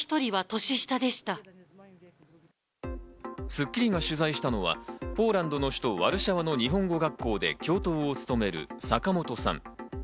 『スッキリ』が取材したのは、ポーランドの首都ワルシャワの日本語学校で教頭を務める坂本さん。